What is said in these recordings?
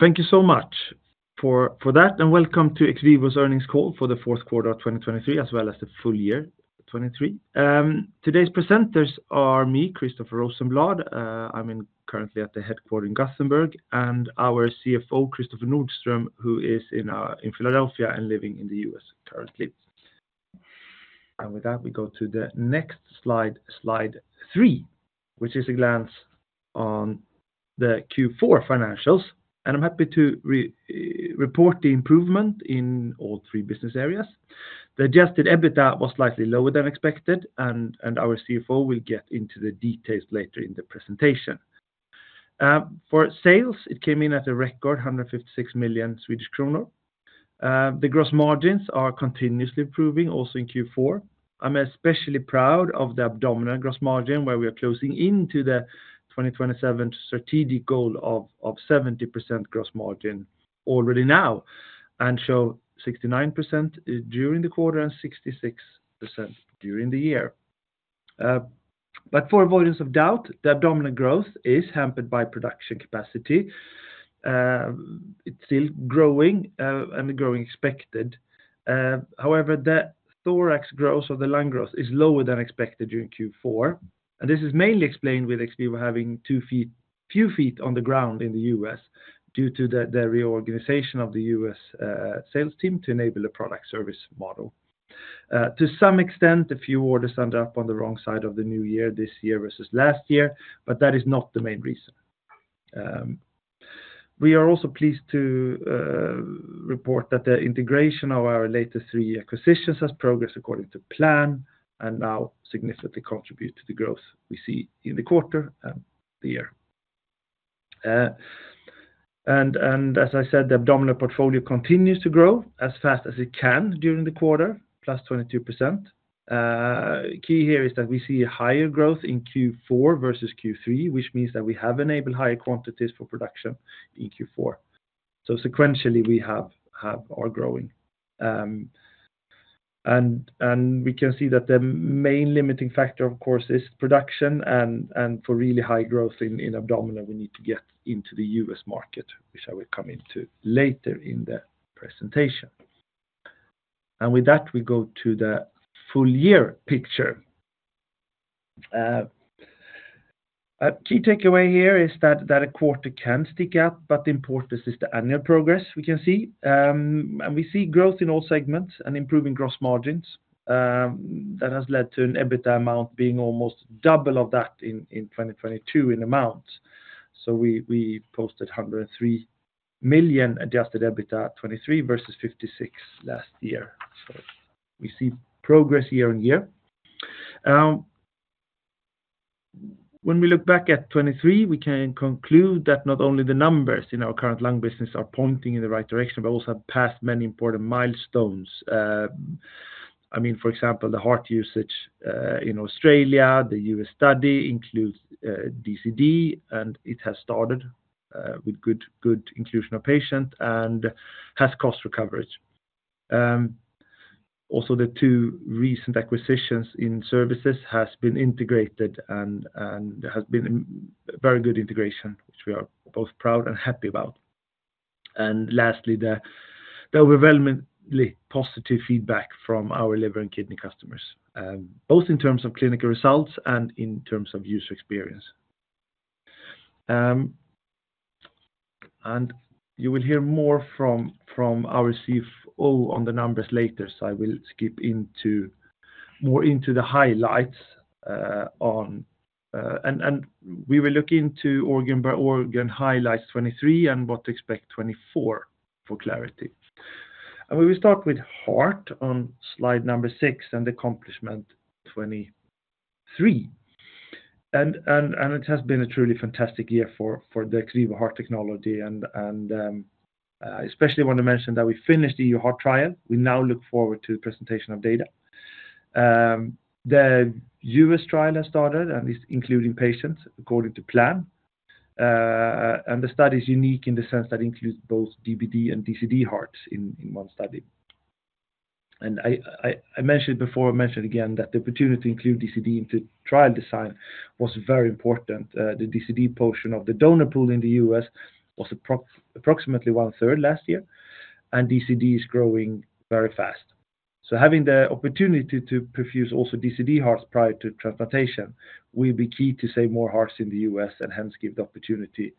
Thank you so much for that, and welcome to XVIVO's earnings call for the fourth quarter of 2023, as well as the full year 2023. Today's presenters are me, Christoffer Rosenblad, I'm currently at the headquarters in Gothenburg, and our CFO, Kristoffer Nordström, who is in Philadelphia and living in the U.S. currently. With that, we go to the next slide, slide 3, which is a glance on the Q4 financials, and I'm happy to report the improvement in all three business areas. The adjusted EBITDA was slightly lower than expected, and our CFO will get into the details later in the presentation. For sales, it came in at a record 156 million Swedish kronor. The gross margins are continuously improving, also in Q4. I'm especially proud of the abdominal gross margin, where we are closing into the 2027 strategic goal of seventy percent gross margin already now, and show 69% during the quarter and 66% during the year. But for avoidance of doubt, the abdominal growth is hampered by production capacity. It's still growing, and growing expected. However, the thorax growth or the lung growth is lower than expected during Q4, and this is mainly explained with XVIVO having few feet on the ground in the U.S., due to the reorganization of the U.S. sales team to enable a product service model. To some extent, a few orders ended up on the wrong side of the new year, this year versus last year, but that is not the main reason. We are also pleased to report that the integration of our latest three acquisitions has progressed according to plan and now significantly contribute to the growth we see in the quarter and the year. As I said, the abdominal portfolio continues to grow as fast as it can during the quarter, plus 22%. Key here is that we see higher growth in Q4 versus Q3, which means that we have enabled higher quantities for production in Q4. So sequentially, we have... are growing. We can see that the main limiting factor, of course, is production, for really high growth in abdominal, we need to get into the U.S. market, which I will come into later in the presentation. And with that, we go to the full year picture. A key takeaway here is that a quarter can stick out, but the importance is the annual progress we can see. And we see growth in all segments and improving gross margins, that has led to an EBITDA amount being almost double of that in 2022 in amounts. So we posted 103 million adjusted EBITDA in 2023 versus 56 million last year. So we see progress year-over-year. When we look back at 2023, we can conclude that not only the numbers in our current lung business are pointing in the right direction, but also have passed many important milestones. I mean, for example, the heart usage in Australia, the U.S. study includes DCD, and it has started with good inclusion of patient and has cost recovery. Also, the two recent acquisitions in services has been integrated and has been a very good integration, which we are both proud and happy about. Lastly, the overwhelmingly positive feedback from our liver and kidney customers, both in terms of clinical results and in terms of user experience. You will hear more from our CFO on the numbers later, so I will skip into more into the highlights. We will look into organ-by-organ highlights 2023 and what to expect 2024 for clarity. We will start with heart on slide number 6 and accomplishment 2023. It has been a truly fantastic year for the XVIVO heart technology, and I especially want to mention that we finished the EU heart trial. We now look forward to the presentation of data. the U.S. trial has started and is including patients according to plan. The study is unique in the sense that includes both DBD and DCD hearts in one study. I mentioned before, I mention it again, that the opportunity to include DCD into trial design was very important. The DCD portion of the donor pool in the U.S. was approximately one-third last year, and DCD is growing very fast. So having the opportunity to perfuse also DCD hearts prior to transplantation will be key to save more hearts in the U.S. and hence give the opportunity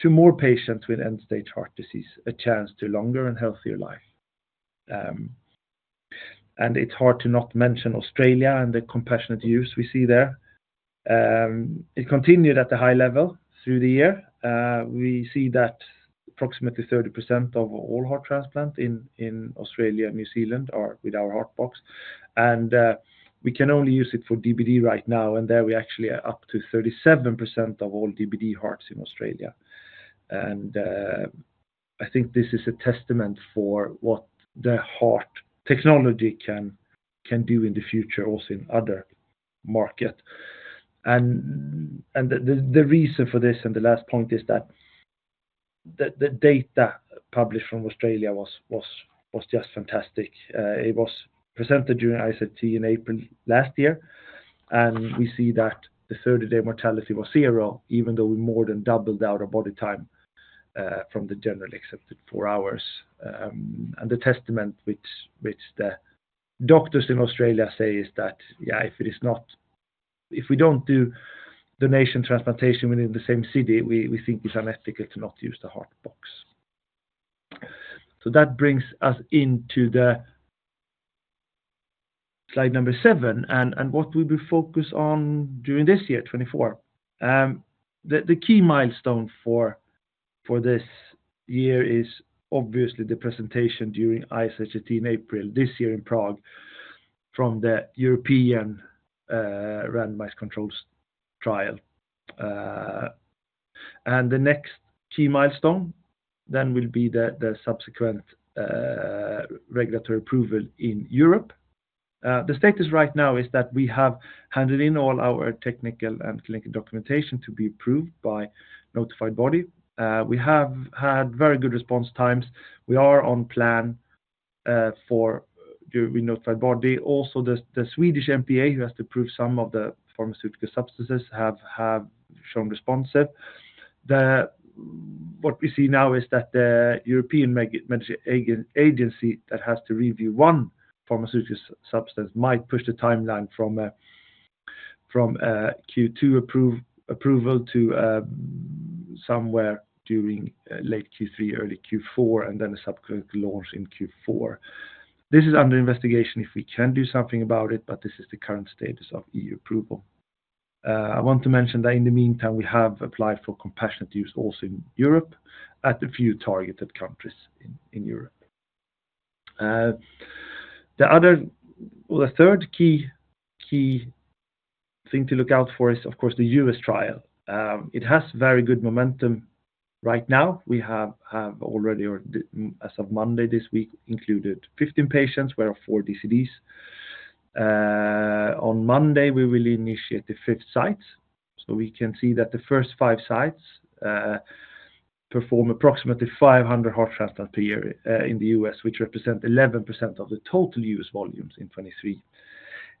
to more patients with end-stage heart disease, a chance to longer and healthier life. It's hard to not mention Australia and the compassionate use we see there. It continued at a high level through the year. We see that approximately 30% of all heart transplant in Australia and New Zealand are with our Heart Box, and we can only use it for DBD right now, and there we actually are up to 37% of all DBD hearts in Australia. And I think this is a testament for what the heart technology can do in the future, also in other market. And the reason for this, and the last point, is that the data published from Australia was just fantastic. It was presented during ISHLT in April last year, and we see that the 30-day mortality was zero, even though we more than doubled our body time from the generally accepted 4 hours. And the testament which the doctors in Australia say is that, yeah, if we don't do donation transplantation within the same city, we think it's unethical to not use the Heart Box. So that brings us into the slide number 7, and what we will focus on during this year, 2024. The key milestone for this year is obviously the presentation during ISHLT in April, this year in Prague, from the European randomized controls trial. And the next key milestone then will be the subsequent regulatory approval in Europe. The status right now is that we have handed in all our technical and clinical documentation to be approved by notified body. We have had very good response times. We are on plan for the notified body. Also, the Swedish MPA, who has to approve some of the pharmaceutical substances, have shown responsive. What we see now is that the European Medicines Agency that has to review one pharmaceutical substance might push the timeline from a Q2 approval to somewhere during late Q3, early Q4, and then a subsequent launch in Q4. This is under investigation, if we can do something about it, but this is the current status of EU approval. I want to mention that in the meantime, we have applied for compassionate use also in Europe at a few targeted countries in Europe. The other or the third key thing to look out for is, of course, the U.S. trial. It has very good momentum right now. We have already or as of Monday this week, included 15 patients, where 4 are DCDs. On Monday, we will initiate the fifth site, so we can see that the first 5 sites perform approximately 500 heart transplants per year in the U.S., which represent 11% of the total U.S. volumes in 2023.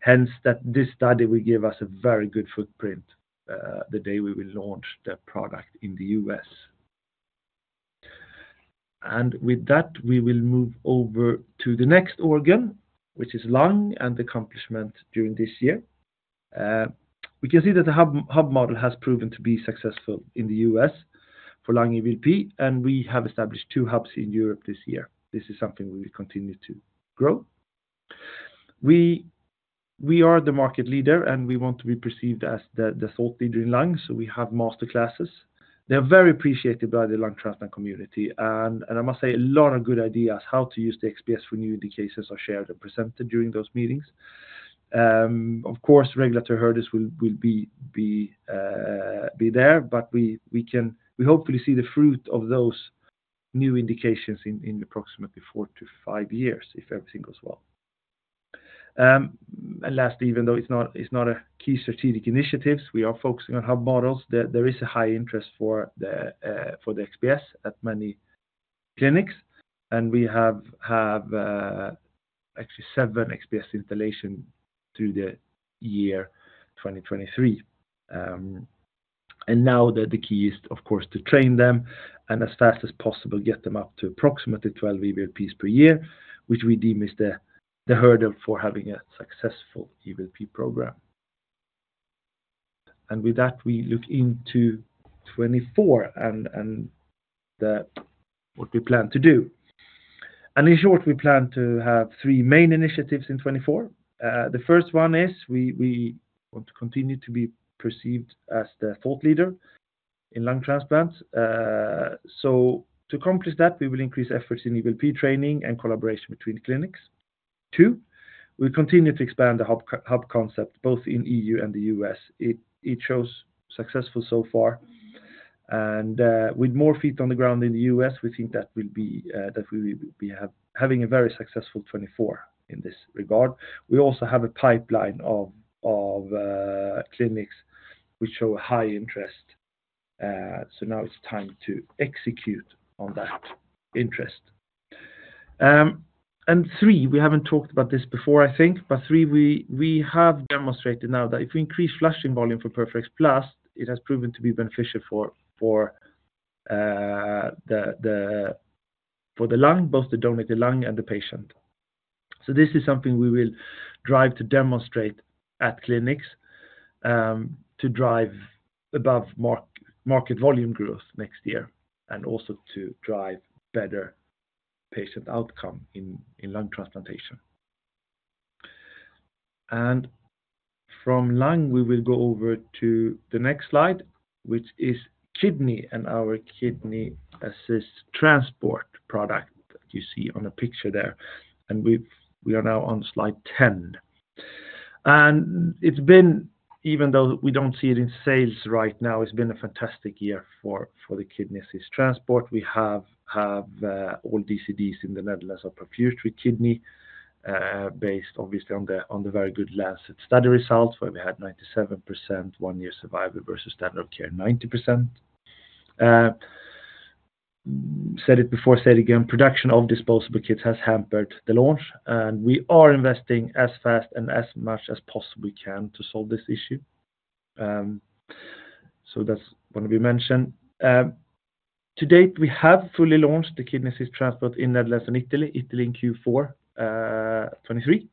Hence, that this study will give us a very good footprint the day we will launch the product in the U.S. And with that, we will move over to the next organ, which is lung and accomplishment during this year. We can see that the hub model has proven to be successful in the U.S. for lung EVLP, and we have established 2 hubs in Europe this year. This is something we will continue to grow. We are the market leader, and we want to be perceived as the thought leader in lungs, so we have master classes. They're very appreciated by the lung transplant community, and I must say, a lot of good ideas how to use the XPS for new indications are shared and presented during those meetings. Of course, regulatory hurdles will be there, but we can hopefully see the fruit of those new indications in approximately 4-5 years, if everything goes well. And last, even though it's not a key strategic initiatives, we are focusing on hub models. There is a high interest for the XPS at many clinics, and we have actually 7 XPS installations through the year 2023. Now the key is, of course, to train them and as fast as possible, get them up to approximately 12 EVLPs per year, which we deem is the hurdle for having a successful EVLP program. And with that, we look into 2024 and what we plan to do. And in short, we plan to have three main initiatives in 2024. The first one is we want to continue to be perceived as the thought leader in lung transplants. So to accomplish that, we will increase efforts in EVLP training and collaboration between clinics. Two, we continue to expand the hub concept, both in EU and the U.S.. It shows successful so far, and with more feet on the ground in the U.S., we think that will be that we will be having a very successful 2024 in this regard. We also have a pipeline of clinics which show high interest, so now it's time to execute on that interest. And three, we haven't talked about this before, I think, but three, we have demonstrated now that if we increase flushing volume for Perfadex Plus, it has proven to be beneficial for the lung, both the donated lung and the patient. So this is something we will drive to demonstrate at clinics, to drive above market volume growth next year, and also to drive better patient outcome in lung transplantation. From lung, we will go over to the next slide, which is kidney and our Kidney Assist Transport product that you see on the picture there. We are now on slide 10. It's been, even though we don't see it in sales right now, a fantastic year for the Kidney Assist Transport. We have all DCDs in the Netherlands are perfused kidney, based obviously on the very good Lancet study results, where we had 97% one-year survival versus standard of care, 90%. Said it before, say it again, production of disposable kits has hampered the launch, and we are investing as fast and as much as possibly can to solve this issue. So that's what we mentioned. To date, we have fully launched the Kidney Assist Transport in Netherlands and Italy, Italy in Q4 2023.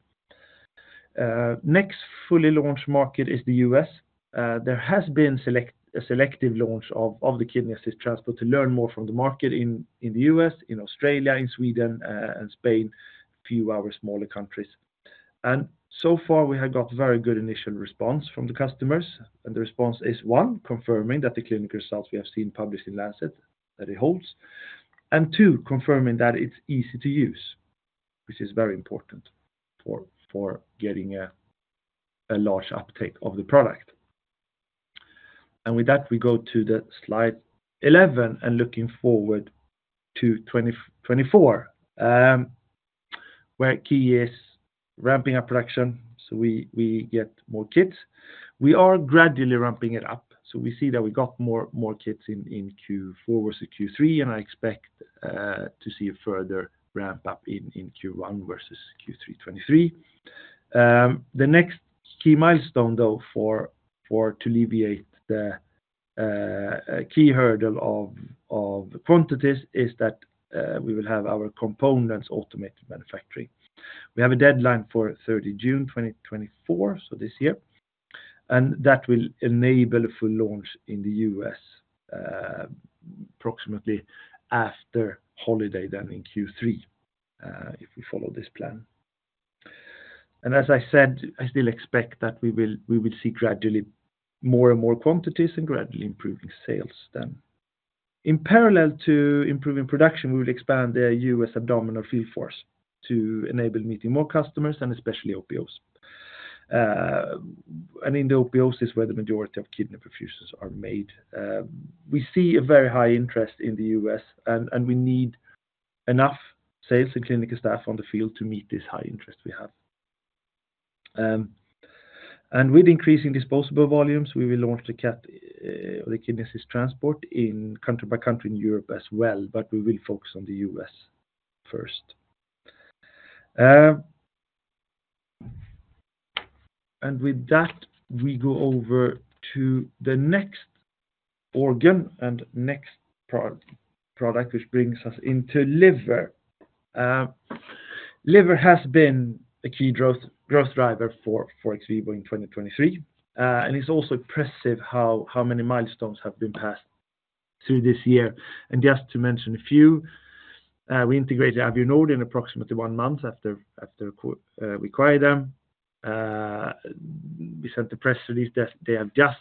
Next fully launched market is the U.S.. There has been a selective launch of the Kidney Assist Transport to learn more from the market in the U.S., in Australia, in Sweden, and Spain, few of our smaller countries. And so far, we have got very good initial response from the customers, and the response is, one, confirming that the clinical results we have seen published in Lancet, that it holds. And two, confirming that it's easy to use, which is very important for getting a large uptake of the product. And with that, we go to the slide 11, and looking forward to 2024, where key is ramping up production, so we get more kits. We are gradually ramping it up, so we see that we got more kits in Q4 versus Q3, and I expect to see a further ramp up in Q1 versus Q3 2023. The next key milestone, though, for to alleviate the key hurdle of the quantities, is that we will have our components automated manufacturing. We have a deadline for 30 June 2024, so this year, and that will enable a full launch in the U.S., approximately after holiday, then in Q3, if we follow this plan. And as I said, I still expect that we will see gradually more and more quantities and gradually improving sales then. In parallel to improving production, we will expand the U.S. abdominal field force to enable meeting more customers, and especially OPOs. And in the OPOs is where the majority of kidney perfusions are made. We see a very high interest in the U.S., and we need enough sales and clinical staff on the field to meet this high interest we have. And with increasing disposable volumes, we will launch the CAT, the Kidney Assist Transport country by country in Europe as well, but we will focus on the U.S. first. And with that, we go over to the next organ and next product, which brings us into liver. Liver has been a key growth driver for XVIVO in 2023, and it's also impressive how many milestones have been passed through this year. And just to mention a few, we integrated Avionord in approximately one month after we acquired them. We sent the press release that they have just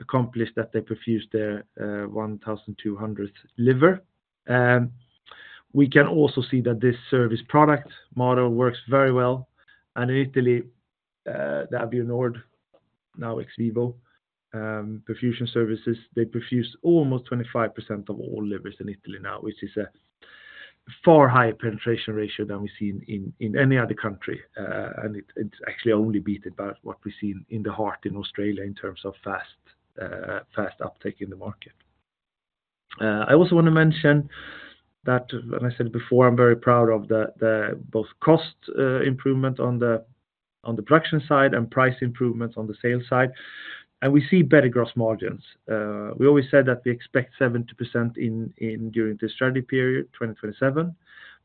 accomplished, that they perfused their 1,200th liver. We can also see that this service product model works very well, and in Italy, the Avionord, now XVIVO, perfusion services, they perfused almost 25% of all livers in Italy now, which is a far higher penetration ratio than we see in any other country, and it's actually only beat about what we see in the heart in Australia in terms of fast uptake in the market. I also want to mention that, and I said before, I'm very proud of the both cost improvement on the production side and price improvements on the sales side, and we see better gross margins. We always said that we expect 70% in during this strategy period, 2027,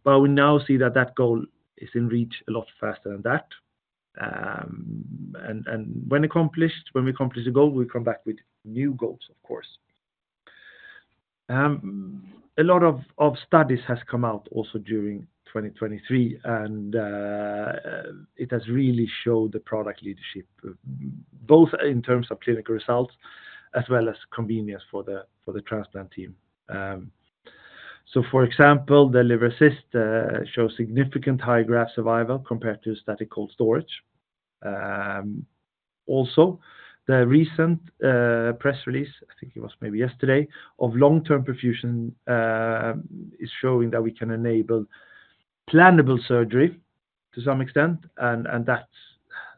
but we now see that that goal is in reach a lot faster than that. And when accomplished, when we accomplish the goal, we come back with new goals, of course. A lot of studies has come out also during 2023, and it has really showed the product leadership, both in terms of clinical results as well as convenience for the transplant team. So for example, the Liver Assist shows significant high graft survival compared to Static Cold Storage. Also, the recent press release, I think it was maybe yesterday, of long-term perfusion is showing that we can enable plannable surgery to some extent, and that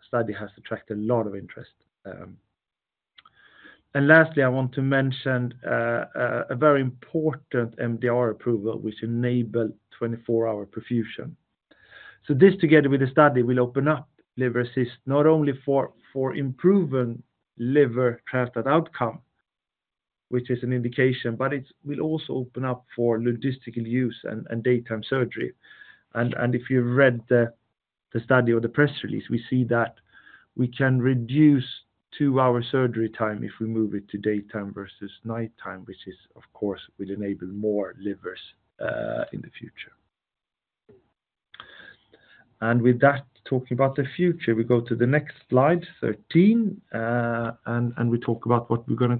study has attracted a lot of interest. And lastly, I want to mention a very important MDR approval, which enabled 24-hour perfusion. So this, together with the study, will open up Liver Assist not only for improving liver transplant outcome, which is an indication, but it will also open up for logistical use and daytime surgery. And if you read the study or the press release, we see that we can reduce 2-hour surgery time if we move it to daytime versus nighttime, which is, of course, will enable more livers in the future. And with that, talking about the future, we go to the next slide, 13, and we talk about what we're going to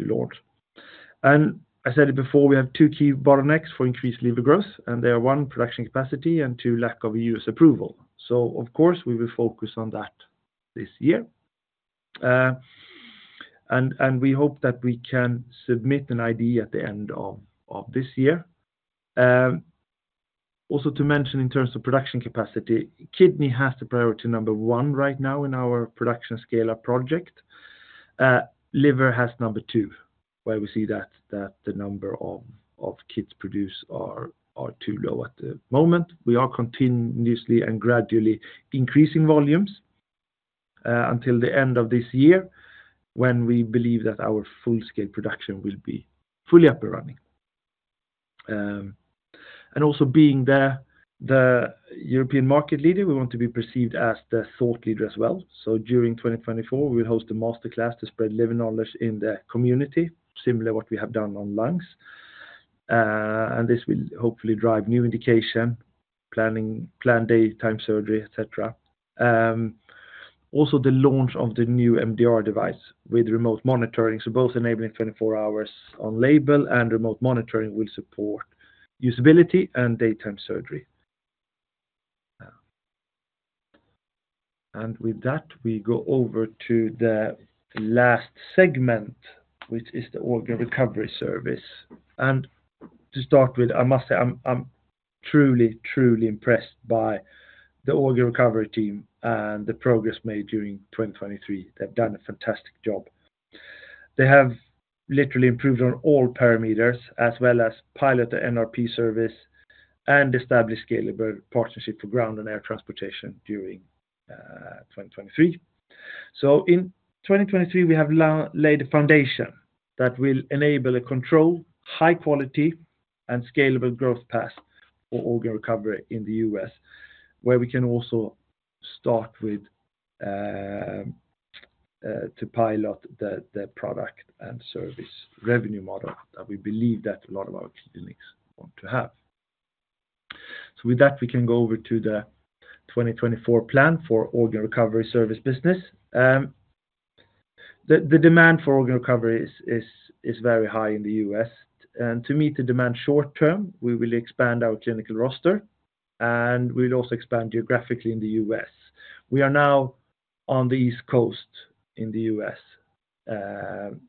accomplish this year and what are the key milestones to launch. I said it before, we have two key bottlenecks for increased liver growth, and they are, one, production capacity, and two, lack of US approval. So of course, we will focus on that this year. And we hope that we can submit an IDE at the end of this year. Also to mention, in terms of production capacity, kidney has the priority number one right now in our production scale-up project. Liver has number two, where we see that the number of kits produced are too low at the moment. We are continuously and gradually increasing volumes until the end of this year, when we believe that our full-scale production will be fully up and running. And also being the European market leader, we want to be perceived as the thought leader as well. So during 2024, we will host a master class to spread liver knowledge in the community, similar to what we have done on lungs. And this will hopefully drive new indication, planning, planned daytime surgery, et cetera. Also the launch of the new MDR device with remote monitoring. So both enabling 24 hours on label and remote monitoring will support usability and daytime surgery. And with that, we go over to the last segment, which is the organ recovery service. And to start with, I must say, I'm truly impressed by the organ recovery team and the progress made during 2023. They've done a fantastic job. They have literally improved on all parameters, as well as pilot the NRP service and established scalable partnership for ground and air transportation during 2023. So in 2023, we have laid a foundation that will enable a controlled, high quality, and scalable growth path for organ recovery in the U.S., where we can also start with to pilot the product and service revenue model that we believe that a lot of our clinics want to have. So with that, we can go over to the 2024 plan for organ recovery service business. The demand for organ recovery is very high in the U.S., and to meet the demand short term, we will expand our clinical roster, and we will also expand geographically in the U.S. We are now on the East Coast in the U.S.,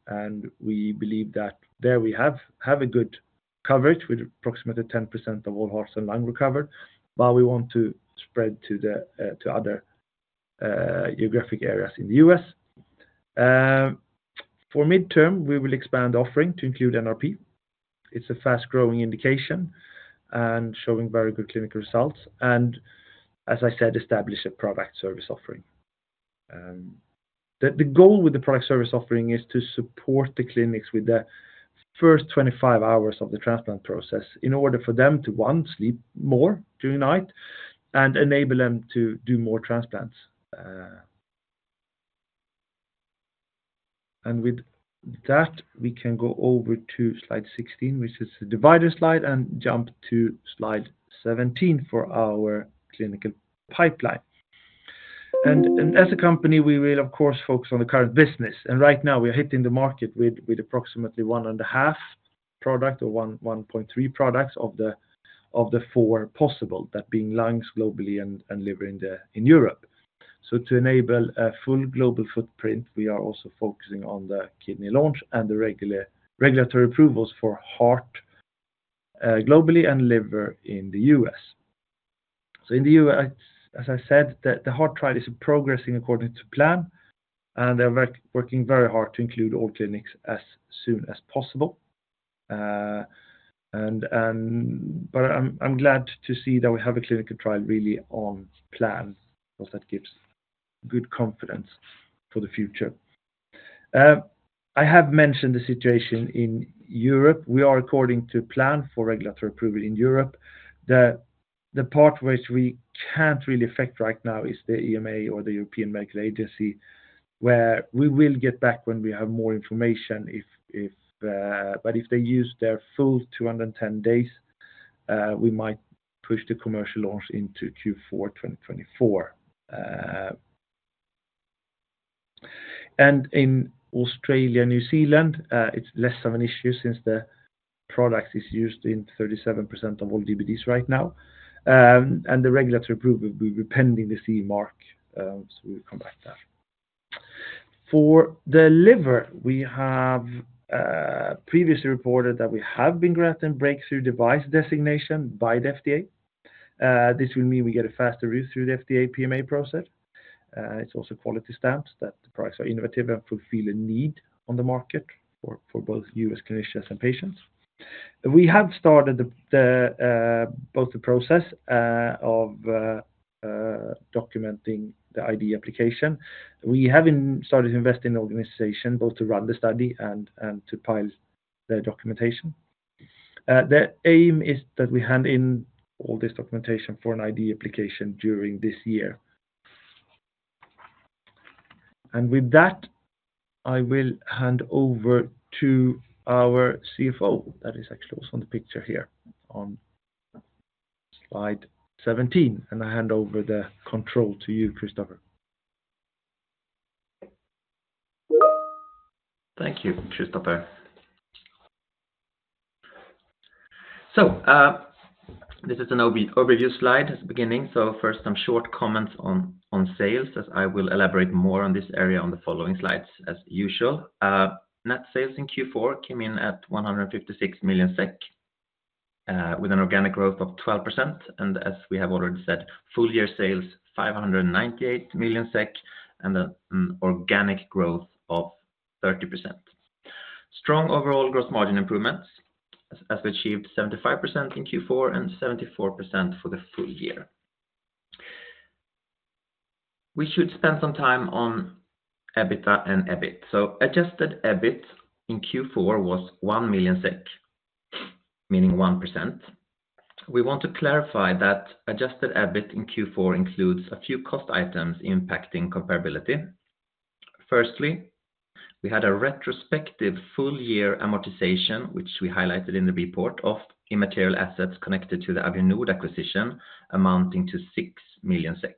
and we believe that there we have a good coverage with approximately 10% of all hearts and lungs recovered, but we want to spread to other geographic areas in the U.S. For midterm, we will expand offering to include NRP. It's a fast-growing indication and showing very good clinical results, and as I said, establish a product service offering. The goal with the product service offering is to support the clinics with the first 25 hours of the transplant process in order for them to, one, sleep more during the night and enable them to do more transplants. And with that, we can go over to slide 16, which is the divider slide, and jump to slide 17 for our clinical pipeline. As a company, we will, of course, focus on the current business. And right now, we are hitting the market with approximately 1.5 product or 1.3 products of the 4 possible, that being lungs globally and liver in Europe. So to enable a full global footprint, we are also focusing on the kidney launch and the regulatory approvals for heart globally and liver in the U.S.. So in the U.S., as I said, the heart trial is progressing according to plan, and they're working very hard to include all clinics as soon as possible. But I'm glad to see that we have a clinical trial really on plan, because that gives good confidence for the future. I have mentioned the situation in Europe. We are according to plan for regulatory approval in Europe. The part which we can't really affect right now is the EMA or the European Medicines Agency, where we will get back when we have more information, but if they use their full 210 days, we might push the commercial launch into Q4 2024. And in Australia, New Zealand, it's less of an issue since the product is used in 37% of all DBDs right now. And the regulatory approval will be pending the CE mark, so we will come back to that. For the liver, we have previously reported that we have been granted Breakthrough Device Designation by the FDA. This will mean we get a faster route through the FDA PMA process. It's also quality stamps that the products are innovative and fulfill a need on the market for both U.S. clinicians and patients. We have started both the process of documenting the IDE application. We have started to invest in the organization, both to run the study and to pile the documentation. The aim is that we hand in all this documentation for an IDE application during this year. And with that, I will hand over to our CFO. That is actually also on the picture here on slide 17, and I hand over the control to you, Kristoffer. Thank you, Kristoffer.... This is an overview slide at the beginning. First, some short comments on sales, as I will elaborate more on this area on the following slides, as usual. Net sales in Q4 came in at 156 million SEK, with an organic growth of 12%. As we have already said, full year sales, 598 million SEK, and an organic growth of 30%. Strong overall gross margin improvements, as achieved 75% in Q4 and 74% for the full year. We should spend some time on EBITDA and EBIT. Adjusted EBIT in Q4 was 1 million SEK, meaning 1%. We want to clarify that adjusted EBIT in Q4 includes a few cost items impacting comparability. Firstly, we had a retrospective full year amortization, which we highlighted in the report of intangible assets connected to the Avionord acquisition, amounting to 6 million SEK.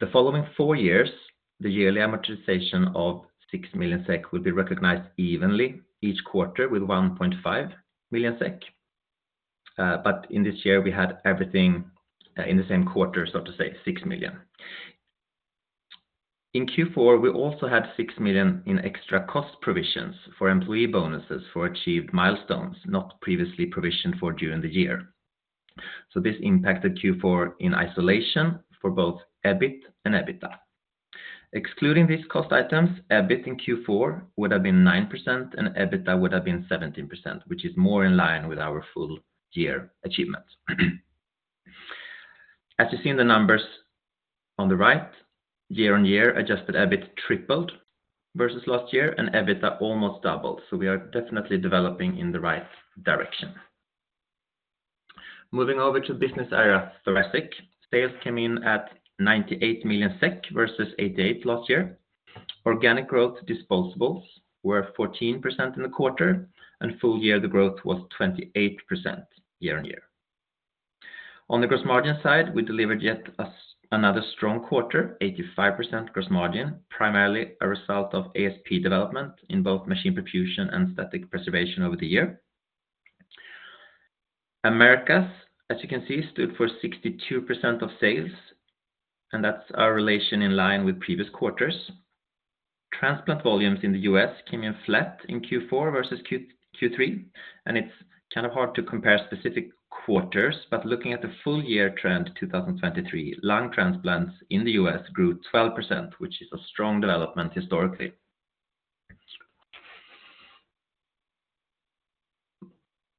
The following 4 years, the yearly amortization of 6 million SEK will be recognized evenly each quarter with 1.5 million SEK. But in this year, we had everything, in the same quarter, so to say, 6 million. In Q4, we also had 6 million in extra cost provisions for employee bonuses for achieved milestones, not previously provisioned for during the year. So this impacted Q4 in isolation for both EBIT and EBITDA. Excluding these cost items, EBIT in Q4 would have been 9%, and EBITDA would have been 17%, which is more in line with our full year achievements. As you see in the numbers on the right, year-over-year, adjusted EBIT tripled versus last year, and EBITDA almost doubled. So we are definitely developing in the right direction. Moving over to business area, thoracic, sales came in at 98 million SEK versus 88 million last year. Organic growth disposables were 14% in the quarter, and full year, the growth was 28% year-over-year. On the gross margin side, we delivered yet another strong quarter, 85% gross margin, primarily a result of ASP development in both machine perfusion and static preservation over the year. Americas, as you can see, stood for 62% of sales, and that's our relation in line with previous quarters. Transplant volumes in the U.S. came in flat in Q4 versus Q3, and it's kind of hard to compare specific quarters, but looking at the full year trend, 2023, lung transplants in the U.S. grew 12%, which is a strong development historically.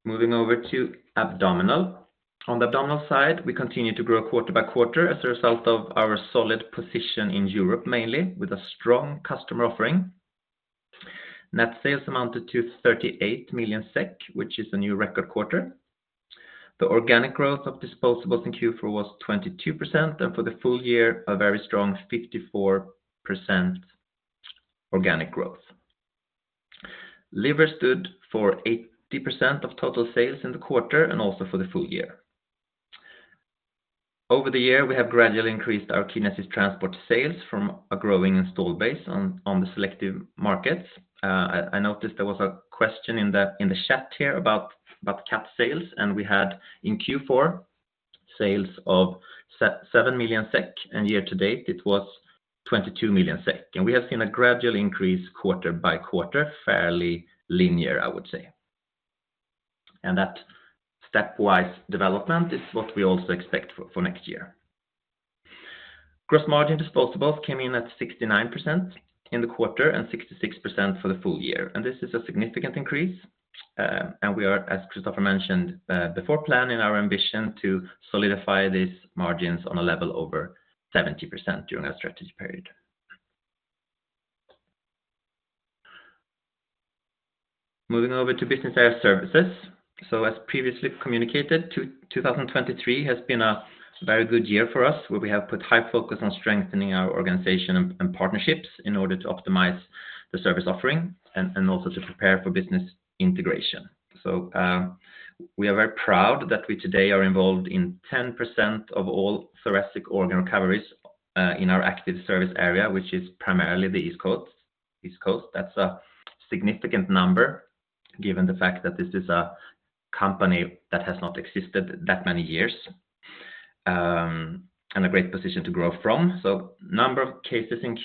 Moving over to abdominal. On the abdominal side, we continue to grow quarter by quarter as a result of our solid position in Europe, mainly with a strong customer offering. Net sales amounted to 38 million SEK, which is a new record quarter. The organic growth of disposables in Q4 was 22%, and for the full year, a very strong 54% organic growth. Liver stood for 80% of total sales in the quarter and also for the full year. Over the year, we have gradually increased our Kidney Assist Transport sales from a growing installed base on the selective markets. I noticed there was a question in the chat here about CAT sales, and we had in Q4 sales of 7 million SEK, and year to date, it was 22 million SEK. We have seen a gradual increase quarter by quarter, fairly linear, I would say. That stepwise development is what we also expect for next year. Gross margin disposables came in at 69% in the quarter and 66% for the full year, and this is a significant increase. We are, as Christoffer mentioned before, planning our ambition to solidify these margins on a level over 70% during our strategy period. Moving over to business area services. So as previously communicated, 2023 has been a very good year for us, where we have put high focus on strengthening our organization and partnerships in order to optimize the service offering and also to prepare for business integration. So, we are very proud that we today are involved in 10% of all thoracic organ recoveries in our active service area, which is primarily the East Coast, East Coast. That's a significant number, given the fact that this is a company that has not existed that many years, and a great position to grow from. So number of cases in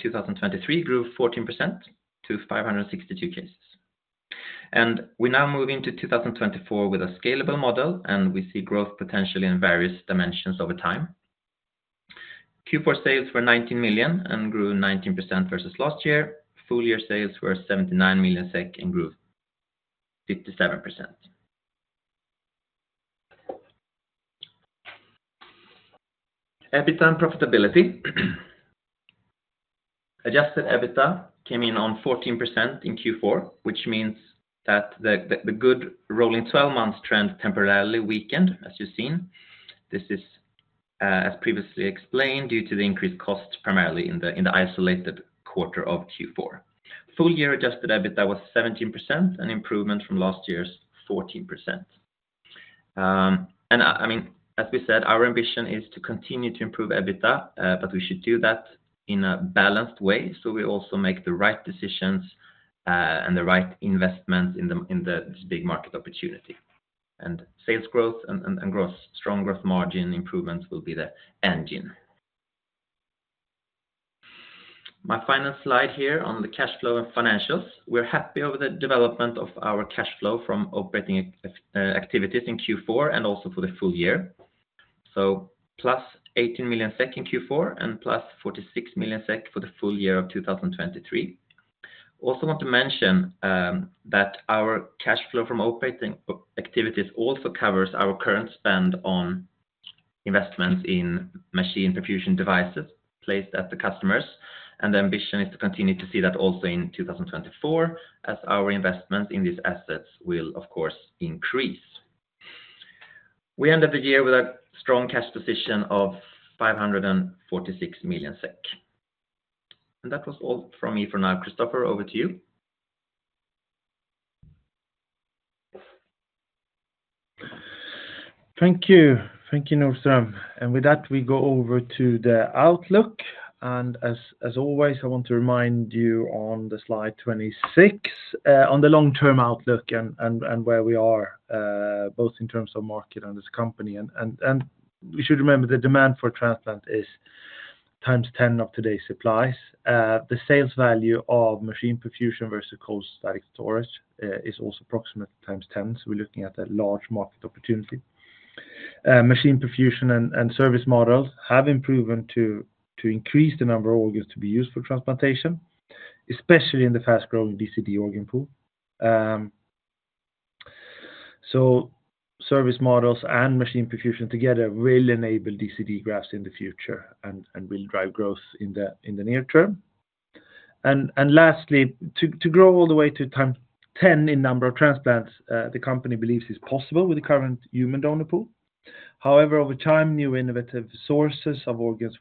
2023 grew 14% to 562 cases. And we now move into 2024 with a scalable model, and we see growth potentially in various dimensions over time. Q4 sales were 19 million and grew 19% versus last year. Full year sales were 79 million SEK and grew 57%. EBITDA and profitability. Adjusted EBITDA came in on 14% in Q4, which means that the good rolling twelve months trend temporarily weakened, as you've seen. This is, as previously explained, due to the increased costs, primarily in the isolated quarter of Q4. Full year adjusted EBITDA was 17%, an improvement from last year's 14%. And, I mean, as we said, our ambition is to continue to improve EBITDA, but we should do that in a balanced way. So we also make the right decisions, and the right investments in the big market opportunity. And sales growth and strong growth margin improvements will be the engine. My final slide here on the cash flow and financials, we're happy over the development of our cash flow from operating activities in Q4 and also for the full year. So plus eighteen million SEK in Q4, and plus forty-six million SEK for the full year of 2023. Also want to mention that our cash flow from operating activities also covers our current spend on investments in machine perfusion devices placed at the customers, and the ambition is to continue to see that also in 2024, as our investment in these assets will, of course, increase. We end up the year with a strong cash position of 546 million SEK. And that was all from me for now. Kristoffer, over to you. Thank you. Thank you, Nordström. With that, we go over to the outlook. As always, I want to remind you on the slide 26, on the long-term outlook and where we are, both in terms of market and as company. We should remember, the demand for transplant is 10 times of today's supplies. The sales value of machine perfusion versus cold static storage is also approximately 10 times. So we're looking at a large market opportunity. Machine perfusion and service models have been proven to increase the number of organs to be used for transplantation, especially in the fast-growing DCD organ pool. So service models and machine perfusion together will enable DCD grafts in the future and will drive growth in the near term. Lastly, to grow all the way to 10x in number of transplants, the company believes is possible with the current human donor pool. However, over time, new innovative sources of organs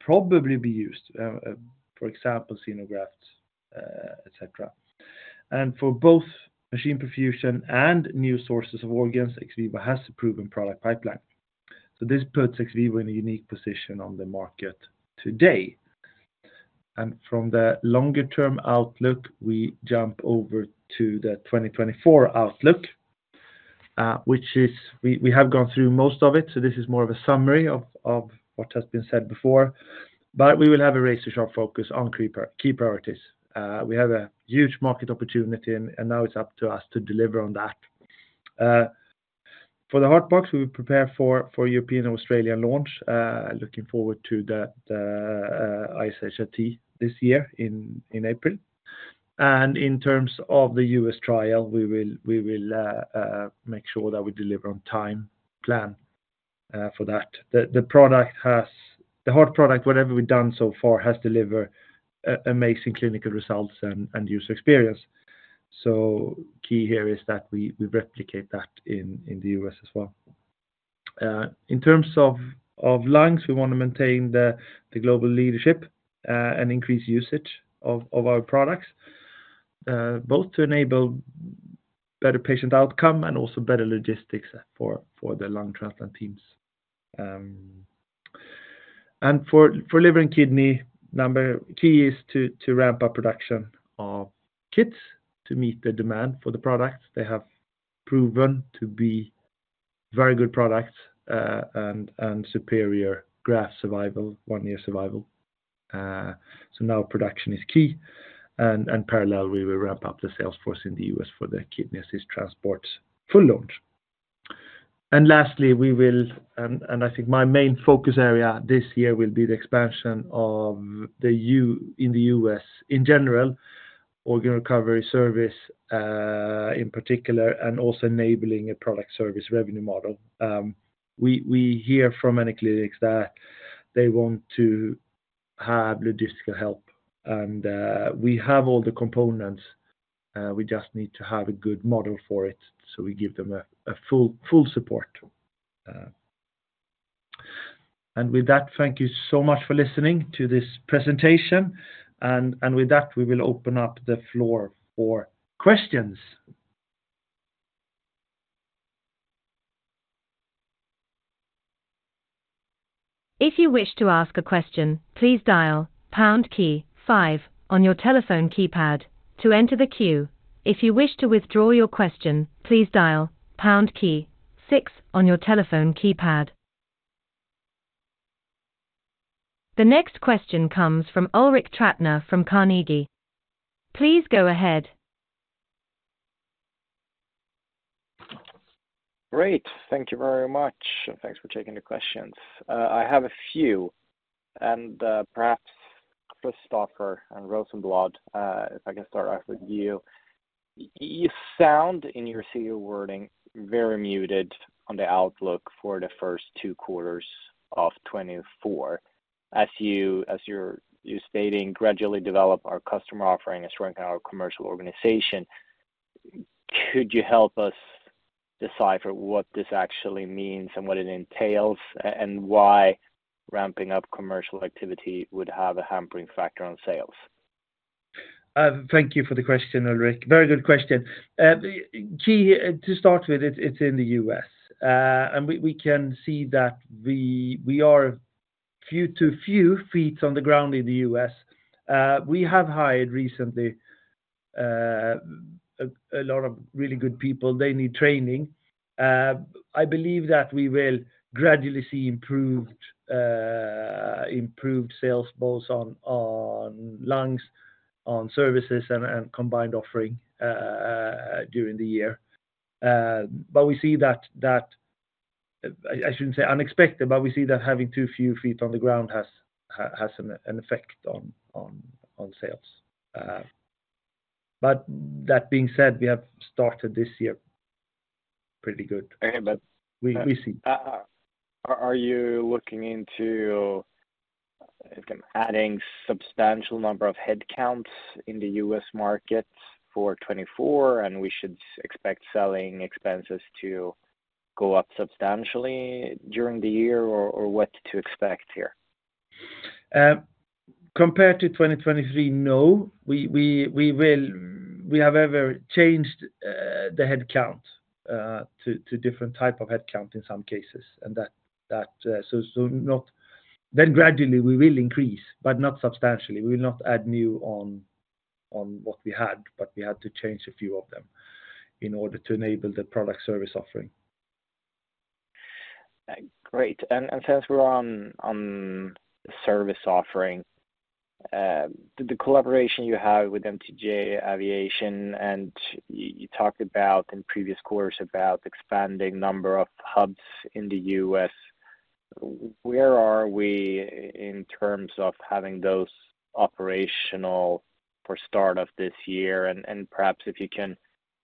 will probably be used, for example, xenografts, et cetera. For both machine perfusion and new sources of organs, XVIVO has a proven product pipeline. This puts XVIVO in a unique position on the market today. From the longer-term outlook, we jump over to the 2024 outlook, we have gone through most of it, so this is more of a summary of what has been said before, but we will have a razor-sharp focus on key priorities. We have a huge market opportunity, and now it's up to us to deliver on that. For the Heart Box, we will prepare for European and Australian launch, looking forward to the ISHLT this year in April. In terms of the U.S. trial, we will make sure that we deliver on-time plan for that. The product has—the Heart product, whatever we've done so far, has delivered amazing clinical results and user experience. So key here is that we replicate that in the U.S. as well. In terms of lungs, we want to maintain the global leadership and increase usage of our products both to enable better patient outcome and also better logistics for the lung transplant teams. And for liver and kidney, the key is to ramp up production of kits to meet the demand for the products. They have proven to be very good products, and superior graft survival, one-year survival. So now production is key, and in parallel, we will ramp up the sales force in the U.S. for the Kidney Assist Transport full launch. And lastly, I think my main focus area this year will be the expansion of our in the U.S. in general, organ recovery service, in particular, and also enabling a product service revenue model. We hear from many clinics that they want to have logistical help, and we have all the components, we just need to have a good model for it, so we give them full support. With that, thank you so much for listening to this presentation. With that, we will open up the floor for questions. If you wish to ask a question, please dial pound key five on your telephone keypad to enter the queue. If you wish to withdraw your question, please dial pound key six on your telephone keypad. The next question comes from Ulrik Trattner from Carnegie. Please go ahead. Great. Thank you very much, and thanks for taking the questions. I have a few, and perhaps Kristoffer and Christoffer Rosenblad, if I can start off with you. You sound, in your CEO wording, very muted on the outlook for the first two quarters of 2024. As you, as you're stating, gradually develop our customer offering and strengthen our commercial organization, could you help us decipher what this actually means and what it entails? And why ramping up commercial activity would have a hampering factor on sales? Thank you for the question, Ulrik. Very good question. The key to start with, it's in the U.S. And we can see that we are a few too few feet on the ground in the U.S. We have hired recently a lot of really good people. They need training. I believe that we will gradually see improved sales both on lungs, on services, and combined offering during the year. But we see that I shouldn't say unexpected, but we see that having too few feet on the ground has an effect on sales. But that being said, we have started this year pretty good. Okay, but- We see. Are you looking into, like, adding substantial number of headcounts in the U.S. market for 2024, and we should expect selling expenses to go up substantially during the year, or what to expect here? Compared to 2023, no. We will – we have ever changed the headcount to different type of headcount in some cases, and that so not... Then gradually, we will increase, but not substantially. We will not add new on what we had, but we had to change a few of them in order to enable the product service offering. Great. And since we're on service offering, the collaboration you have with MTJ Aviation, and you talked about in previous quarters about expanding number of hubs in the U.S.. Where are we in terms of having those operational for start of this year? And perhaps if you can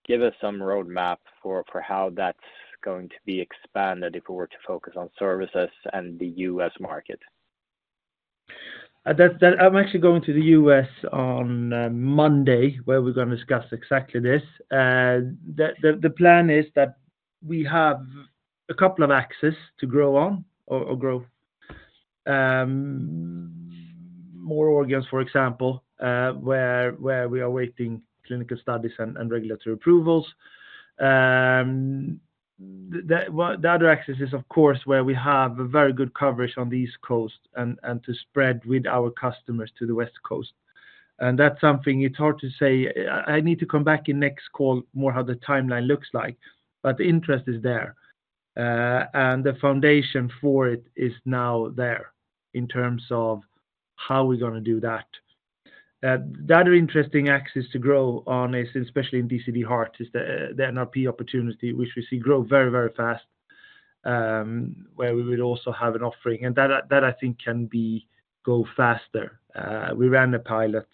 give us some roadmap for how that's going to be expanded, if we were to focus on services and the U.S. market. I'm actually going to the U.S. on Monday, where we're gonna discuss exactly this. The plan is that we have a couple of axes to grow on or grow more organs, for example, where we are waiting clinical studies and regulatory approvals. Well, the other axis is, of course, where we have a very good coverage on the East Coast and to spread with our customers to the West Coast. And that's something it's hard to say. I need to come back in next call more how the timeline looks like, but the interest is there. And the foundation for it is now there in terms of how we're gonna do that. The other interesting axis to grow on is, especially in DCD heart, the NRP opportunity, which we see grow very, very fast, where we would also have an offering. And that, I think can go faster. We ran a pilot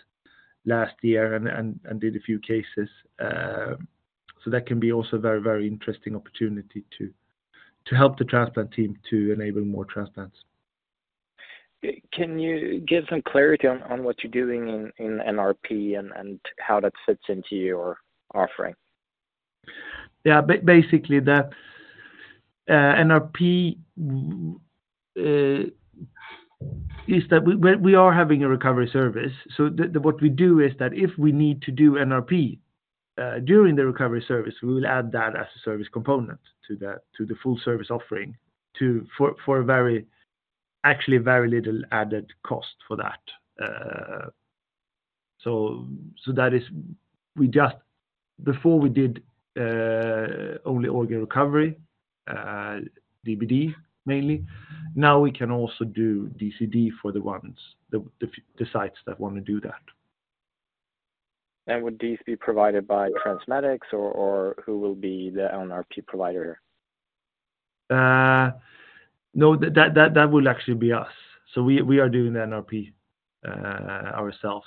last year and did a few cases, so that can be also very, very interesting opportunity to help the transplant team to enable more transplants. Can you give some clarity on what you're doing in NRP and how that fits into your offering? Yeah, basically, NRP is that we are having a recovery service. So what we do is that if we need to do NRP during the recovery service, we will add that as a service component to the full service offering for a very, actually very little added cost for that. So that is, before we did only organ recovery, DBD mainly, now we can also do DCD for the sites that want to do that. Would these be provided by TransMedics, or, or who will be the NRP provider? No, that will actually be us. So we are doing the NRP ourselves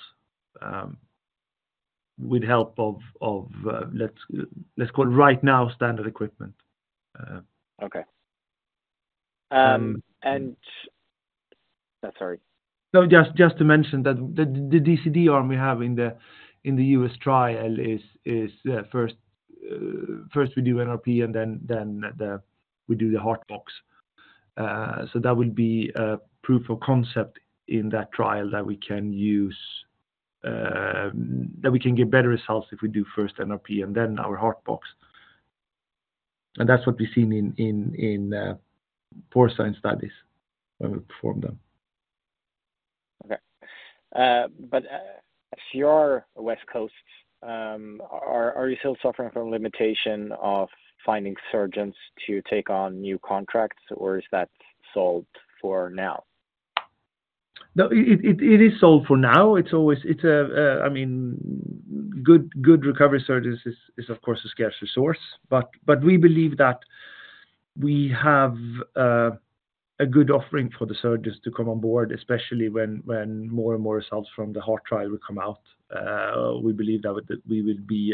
with help of, let's call it right now, standard equipment. Okay. Um- Um- Sorry. No, just to mention that the DCD arm we have in the U.S. trial is first we do NRP, and then we do the Heart Box. So that will be a proof of concept in that trial that we can use that we can get better results if we do first NRP and then our Heart Box. And that's what we've seen in porcine studies when we perform them. Okay. But if you are West Coast, are you still suffering from limitation of finding surgeons to take on new contracts, or is that solved for now? No, it is solved for now. It's always, it's a, I mean, good recovery surgeons is, of course, a scarce resource, but we believe that we have a good offering for the surgeons to come on board, especially when more and more results from the heart trial will come out. We believe that we would be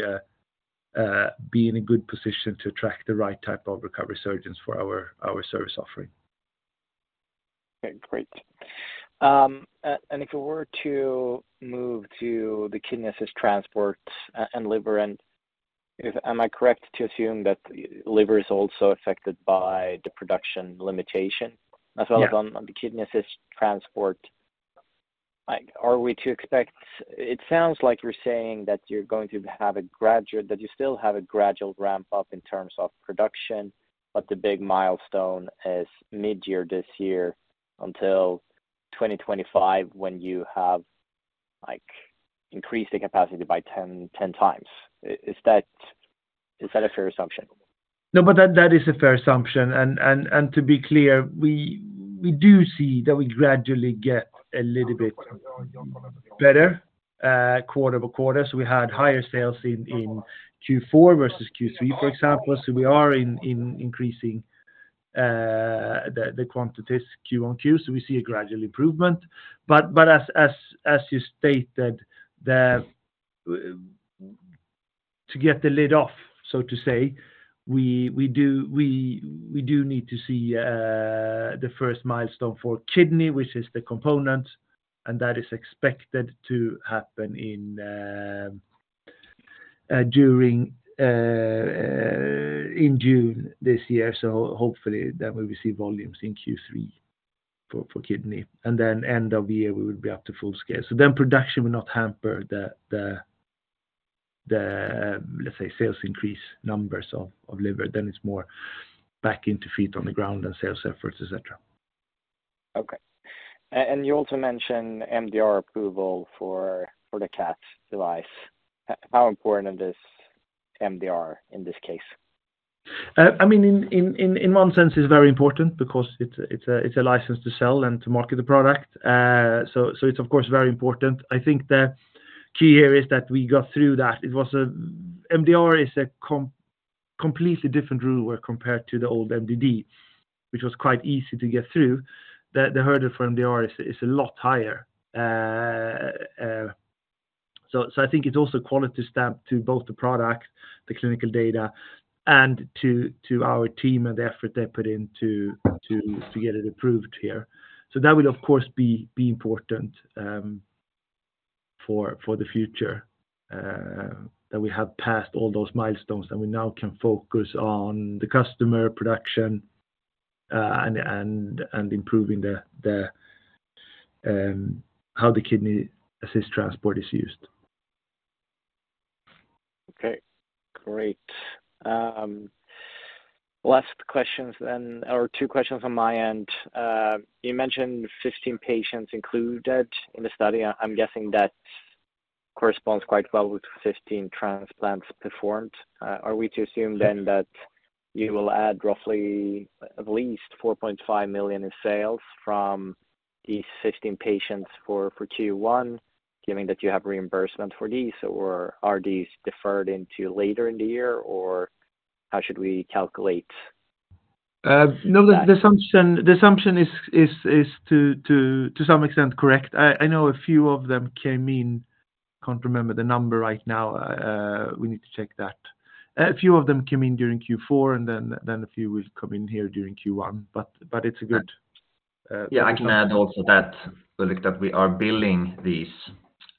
in a good position to attract the right type of recovery surgeons for our service offering. Okay, great. And if we were to move to the Kidney Assist Transport and liver... Am I correct to assume that the liver is also affected by the production limitation? Yeah. As well as on the Kidney Assist Transport? Like, are we to expect, it sounds like you're saying that you're going to have a gradual, that you still have a gradual ramp up in terms of production, but the big milestone is mid-year this year until 2025, when you have, like, increased the capacity by 10, 10 times. Is, is that, is that a fair assumption? No, but that is a fair assumption. And to be clear, we do see that we gradually get a little bit better quarter-over-quarter. So we had higher sales in Q4 versus Q3, for example. So we are increasing the quantities Q on Q. So we see a gradual improvement. But as you stated, to get the lid off, so to say, we do need to see the first milestone for kidney, which is the component, and that is expected to happen in during in June this year. So hopefully, then we will see volumes in Q3 for kidney, and then end of the year, we will be up to full scale. So then production will not hamper the let's say sales increase numbers of liver. Then it's more back into feet on the ground than sales efforts, et cetera. Okay. And you also mentioned MDR approval for the CAT device. How important is this MDR in this case? I mean, in one sense, it's very important because it's a license to sell and to market the product. So it's, of course, very important. I think the key here is that we got through that. It was a MDR is a completely different rule work compared to the old MDD, which was quite easy to get through. The hurdle for MDR is a lot higher. So I think it's also quality stamp to both the product, the clinical data, and to get it approved here. So that will, of course, be important for the future that we have passed all those milestones, and we now can focus on the customer production and improving how the Kidney Assist Transport is used. Okay, great. Last questions then, or two questions on my end. You mentioned 15 patients included in the study. I'm guessing that corresponds quite well with 15 transplants performed. Are we to assume then that you will add roughly at least 4.5 million in sales from these 15 patients for, for Q1, given that you have reimbursement for these, or are these deferred into later in the year, or how should we calculate? No, the assumption is to some extent correct. I know a few of them came in... I can't remember the number right now, we need to check that. A few of them came in during Q4, and then a few will come in here during Q1. But it's a good Yeah, I can add also that, Ulrik, that we are billing these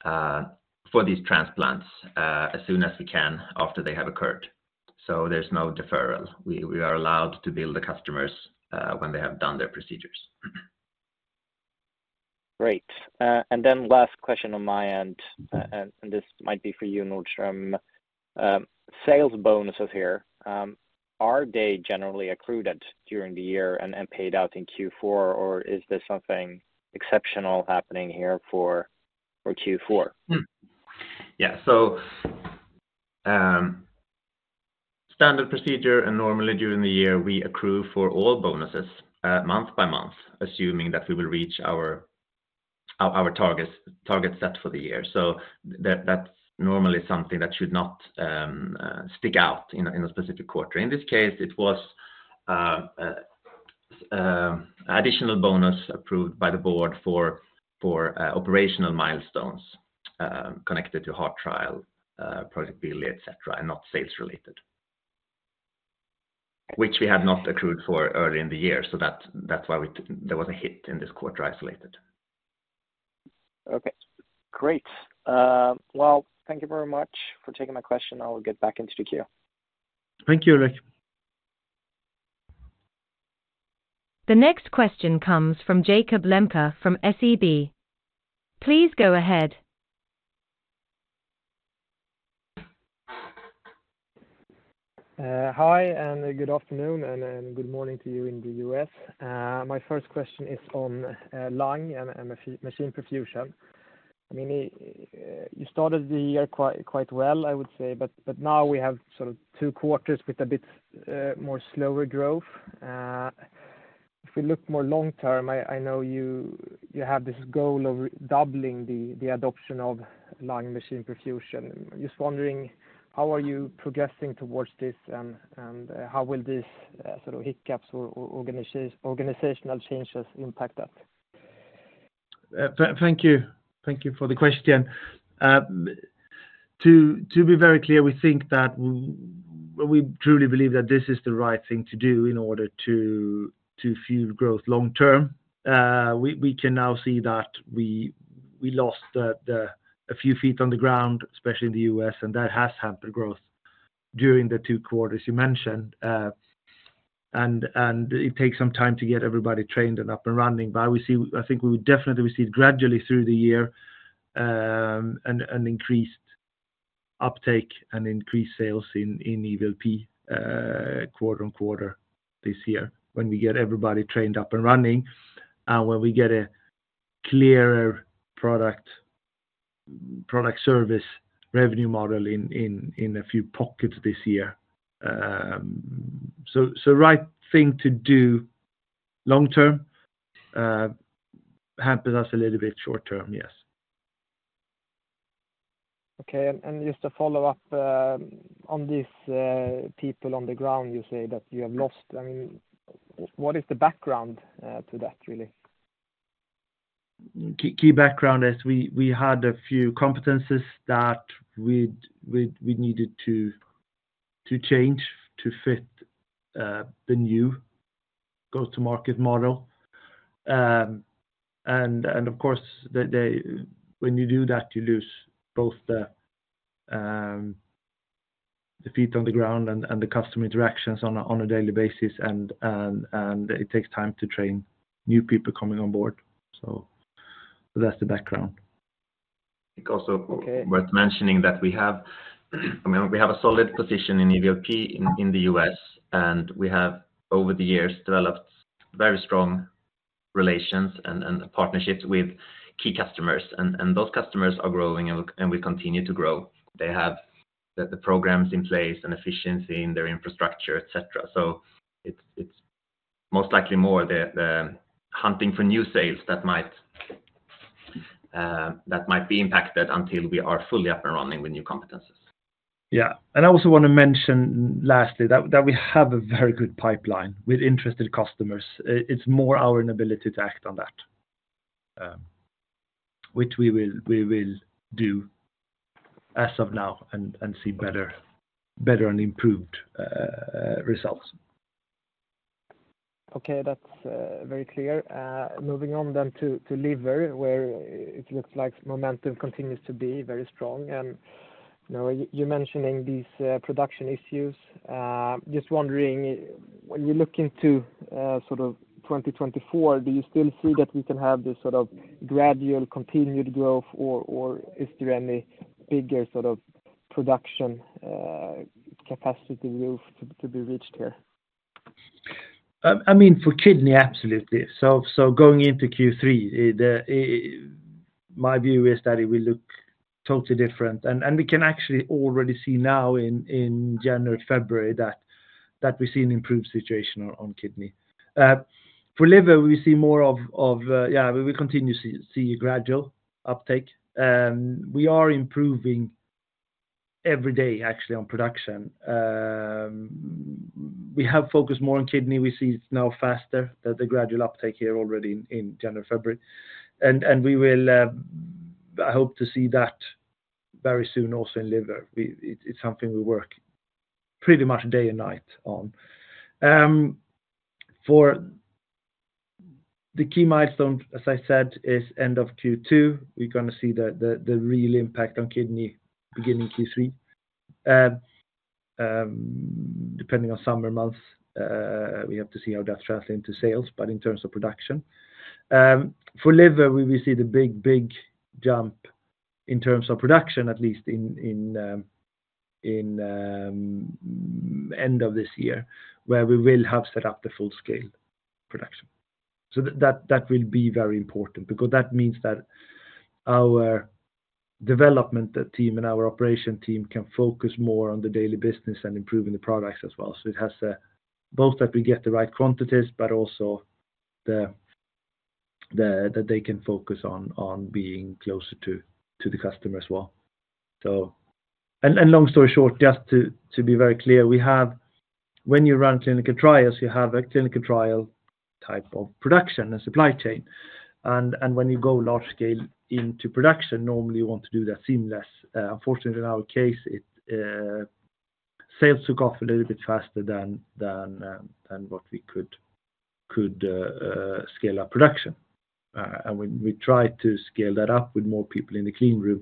for these transplants as soon as we can after they have occurred. So there's no deferral. We, we are allowed to bill the customers when they have done their procedures. Great. And then last question on my end, and this might be for you, Nordström. Sales bonuses here, are they generally accrued during the year and paid out in Q4, or is there something exceptional happening here for Q4? Hmm. Yeah. So, standard procedure, and normally during the year, we accrue for all bonuses, month by month, assuming that we will reach our targets set for the year. So that's normally something that should not stick out in a specific quarter. In this case, it was an additional bonus approved by the board for operational milestones connected to heart trial, project Billy, et cetera, and not sales related. Which we had not accrued for early in the year, so that's why we took. There was a hit in this quarter, isolated. Okay, great. Well, thank you very much for taking my question. I will get back into the queue. Thank you, Ulrik. The next question comes from Jakob Lembke, from SEB. Please go ahead. Hi, and good afternoon, and good morning to you in the U.S. My first question is on lung and machine perfusion. I mean, you started the year quite well, I would say, but now we have sort of two quarters with a bit more slower growth. If we look more long term, I know you have this goal of doubling the adoption of lung machine perfusion. Just wondering, how are you progressing towards this, and how will this sort of hiccups or organizational changes impact that? Thank you. Thank you for the question. To be very clear, we think that. Well, we truly believe that this is the right thing to do in order to fuel growth long term. We can now see that we lost a few feet on the ground, especially in the U.S., and that has hampered growth during the two quarters you mentioned. And it takes some time to get everybody trained and up and running, but we see. I think we would definitely receive gradually through the year, an increased uptake and increased sales in EVLP, quarter on quarter this year, when we get everybody trained up and running, when we get a clearer product service revenue model in a few pockets this year. Right thing to do long-term hampers us a little bit short-term, yes. Okay. Just to follow up on this, people on the ground, you say that you have lost. I mean, what is the background to that, really? Key background is we had a few competencies that we needed to change to fit the new go-to-market model. And of course, when you do that, you lose both the feet on the ground and the customer interactions on a daily basis, and it takes time to train new people coming on board. So that's the background. It's also worth mentioning that we have, I mean, we have a solid position in EVLP in the U.S., and we have, over the years, developed very strong relations and partnerships with key customers, and those customers are growing and will continue to grow. They have the programs in place and efficiency in their infrastructure, et cetera. So it's most likely more the hunting for new sales that might be impacted until we are fully up and running with new competencies. I also want to mention lastly that we have a very good pipeline with interested customers. It's more our inability to act on that, which we will do as of now and see better and improved results. Okay, that's very clear. Moving on then to liver, where it looks like momentum continues to be very strong, and, you know, you're mentioning these production issues, just wondering, when you look into sort of 2024, do you still see that we can have this sort of gradual continued growth, or is there any bigger sort of production capacity growth to be reached here? I mean, for kidney, absolutely. So going into Q3, my view is that it will look totally different, and we can actually already see now in January, February, that we see an improved situation on kidney. For liver, we see more of yeah, we will continue to see gradual uptake. We are improving every day, actually, on production. We have focused more on kidney. We see it's now faster than the gradual uptake here already in January, February. And we will, I hope to see that very soon, also in liver. It's something we work pretty much day and night on. For the key milestone, as I said, is end of Q2, we're gonna see the real impact on kidney beginning Q3. Depending on summer months, we have to see how that translates into sales, but in terms of production. For liver, we will see the big, big jump in terms of production, at least in end of this year, where we will have set up the full-scale production. So that, that will be very important because that means that our development team and our operation team can focus more on the daily business and improving the products as well. So it has, both that we get the right quantities, but also the, the, that they can focus on, on being closer to, to the customer as well. So, long story short, just to be very clear, we have, when you run clinical trials, you have a clinical trial type of production and supply chain, and when you go large scale into production, normally, you want to do that seamless. Unfortunately, in our case, sales took off a little bit faster than what we could scale our production. And when we tried to scale that up with more people in the clean room,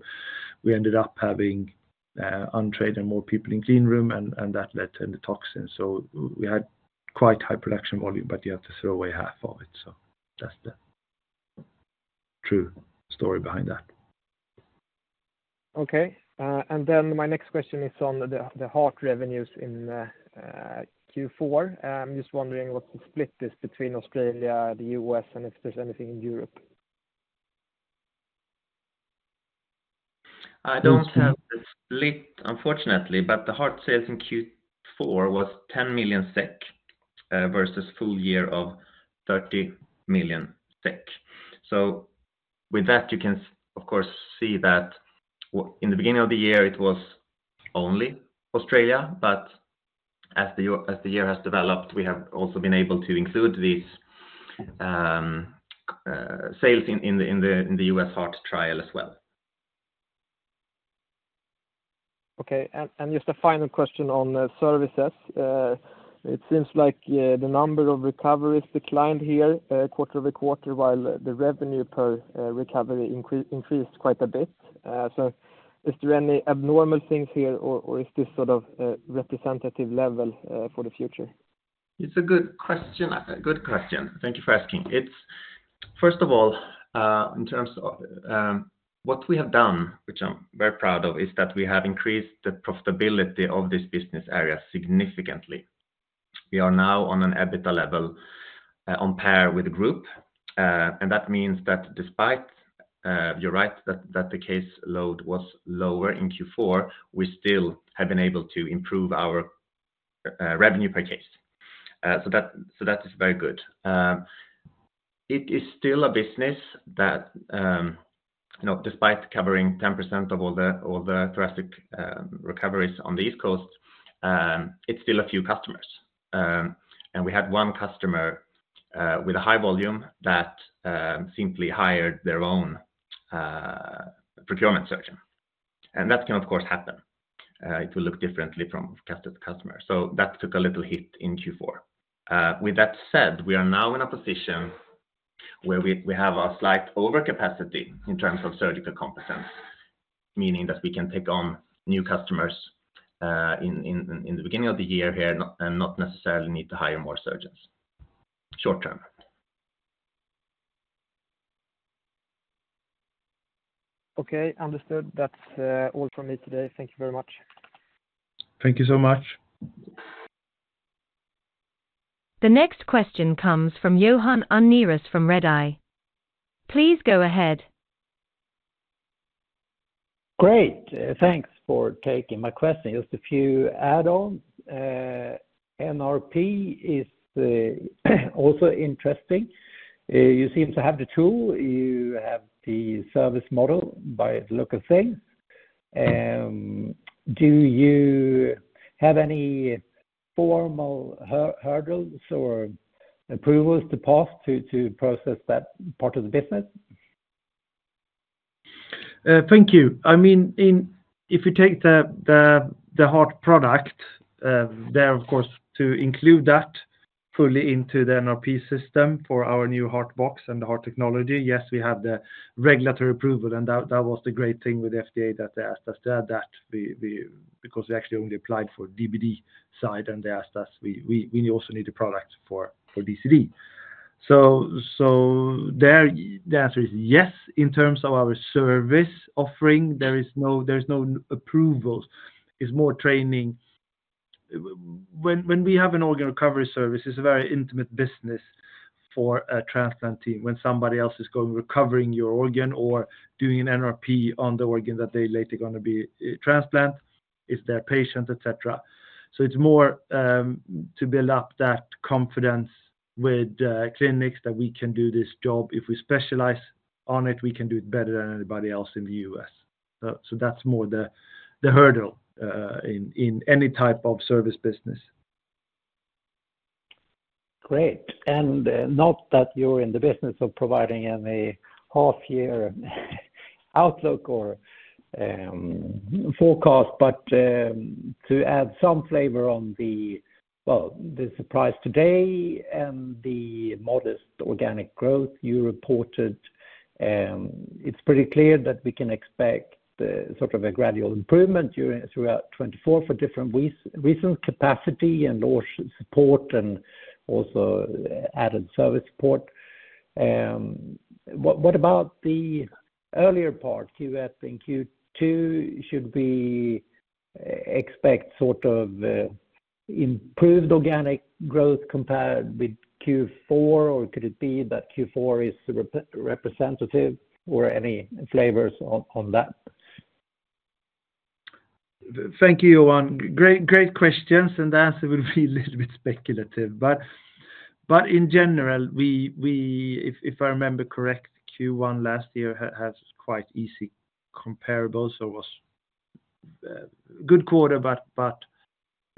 we ended up having untrained and more people in clean room, and that led to the toxins. So we had quite high production volume, but you have to throw away half of it. So that's the true story behind that. Okay, and then my next question is on the heart revenues in Q4. I'm just wondering what the split is between Australia, the U.S., and if there's anything in Europe? I don't have the split, unfortunately, but the heart sales in Q4 was 10 million SEK versus full year of 30 million SEK. So with that, you can, of course, see that in the beginning of the year, it was only Australia, but as the year has developed, we have also been able to include these sales in the, in the, in the U.S. heart trial as well.... Okay, and just a final question on the services. It seems like the number of recoveries declined here quarter-over-quarter, while the revenue per recovery increased quite a bit. So is there any abnormal things here or is this sort of representative level for the future? It's a good question, a good question. Thank you for asking. It's first of all, in terms of, what we have done, which I'm very proud of, is that we have increased the profitability of this business area significantly. We are now on an EBITDA level, on par with the group. And that means that despite, you're right, that, that the case load was lower in Q4, we still have been able to improve our, revenue per case. So that, so that is very good. It is still a business that, you know, despite covering 10% of all the, all the thoracic, recoveries on the East Coast, it's still a few customers. And we had one customer, with a high volume that, simply hired their own, procurement surgeon. And that can, of course, happen. It will look differently from customer to customer, so that took a little hit in Q4. With that said, we are now in a position where we have a slight overcapacity in terms of surgical competence, meaning that we can take on new customers in the beginning of the year here and not necessarily need to hire more surgeons, short term. Okay, understood. That's all from me today. Thank you very much. Thank you so much. The next question comes from Johan Unnerus from Redeye. Please go ahead. Great. Thanks for taking my question. Just a few add-ons. NRP is also interesting. You seem to have the tool, you have the service model by the look of things. Do you have any formal hurdles or approvals to pass to process that part of the business? Thank you. I mean, in—if you take the heart product, there, of course, to include that fully into the NRP system for our new Heart Box and the heart technology, yes, we have the regulatory approval, and that was the great thing with the FDA that they asked us to add that we—because we actually only applied for DBD side, and they asked us we also need a product for DCD. So there the answer is yes. In terms of our service offering, there is no approvals. It's more training. When we have an organ recovery service, it's a very intimate business for a transplant team. When somebody else is going, recovering your organ or doing an NRP on the organ that they later gonna be transplant, it's their patient, et cetera. So it's more to build up that confidence with clinics that we can do this job. If we specialize on it, we can do it better than anybody else in the U.S. So that's more the hurdle in any type of service business. Great. And not that you're in the business of providing any half-year outlook or forecast, but to add some flavor on the, well, the surprise today and the modest organic growth you reported, it's pretty clear that we can expect sort of a gradual improvement throughout 2024 for different reasons, capacity and also support, and also added service support. What about the earlier part, Q1 and Q2? Should we expect sort of improved organic growth compared with Q4, or could it be that Q4 is representative or any flavors on that? Thank you, Johan. Great, great questions, and the answer will be a little bit speculative. But in general, if I remember correct, Q1 last year has quite easy comparable, so it was good quarter. But